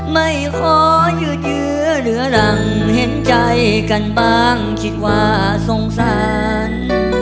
ไม่ขอยืดเยื้อเหลือรังเห็นใจกันบ้างคิดว่าสงสาร